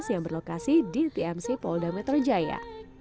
yang berlokasi di tmc polda metro jaya